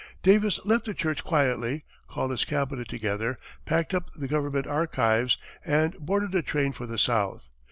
Davis left the church quietly, called his cabinet together, packed up the government archives, and boarded a train for the South.